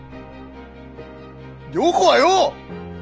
良子はよ！